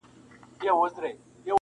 چي په تش ګومان مي خلک کړولي،